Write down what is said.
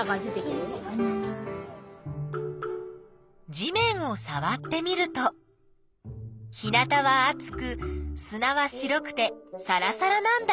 地面をさわってみると日なたはあつくすなは白くてさらさらなんだ。